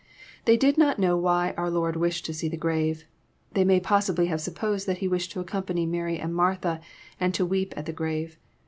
They did not know why our Lord wished to see the grave. They may possibly have supposed that He wished to accompany Mary and Martha, and to weep at the grave.